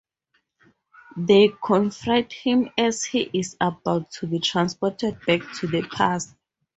They confront him as he is about to be transported back to the past.